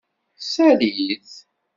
Sali-t.